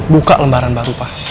buka lembaran baru pa